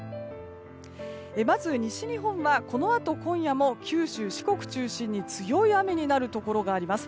まず、西日本はこのあと今夜も九州・四国中心に強い雨になるところがあります。